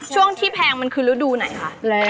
ช่วงที่แพงมันคือฤดูไหนคะ